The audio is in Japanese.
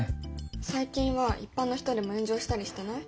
最近は一般の人でも炎上したりしてない？